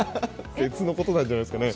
別のことじゃないですかね。